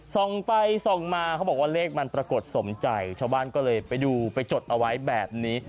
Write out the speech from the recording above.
ส่องไปส่องมาเขาบอกว่าเลขมันปรากฏสมใจชาวบ้านก็เลยไปดูไปจดเอาไว้แบบนี้